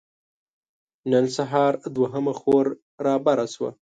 نن سهار دوهمه خور رابره شوه.